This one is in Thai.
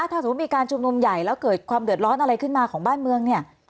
ถ้าสมมุติมีการชุมนุมใหญ่แล้วเกิดความเดือดร้อนอะไรขึ้นมาของบ้านเมืองเนี่ย